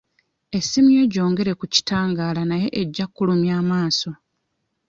Essimu yo gyongere ku kitangaala naye ejja kkulumya amaaso.